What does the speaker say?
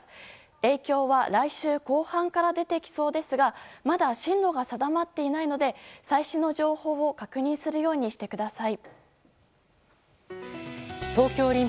影響は来週後半から出てきそうですがまだ進路が定まっていないので最新の情報を確認するようにしてください。